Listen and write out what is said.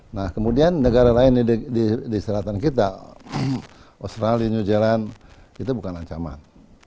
nah kemudian negara lain di selatan kita australia new zealand itu bukan ancaman